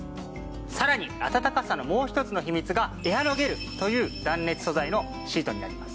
さらにあたたかさのもう一つの秘密がエアロゲルという断熱素材のシートになります。